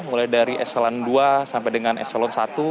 mulai dari eselan dua sampai dengan eselon satu